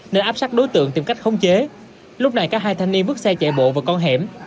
nơi áp sát đối tượng tìm cách khống chế lúc này các hai thanh niên bước xe chạy bộ vào con hẻm